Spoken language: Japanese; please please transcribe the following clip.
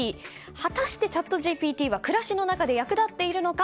果たして、チャットＧＰＴは暮らしの中で役立っているのか。